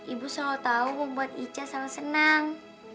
ibu selalu tahu membuat ica selalu senang